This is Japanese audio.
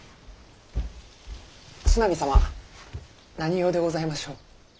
角南様何用でございましょう。